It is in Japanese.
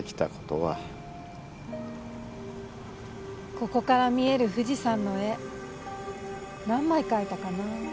ここから見える富士山の絵何枚描いたかなぁ。